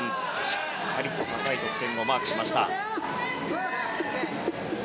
しっかりと高い得点をマークしました。